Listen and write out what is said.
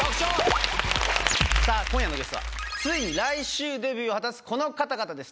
さぁ今夜のゲストはついに来週デビューを果たすこの方々です